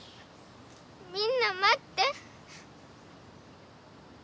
みんな待って。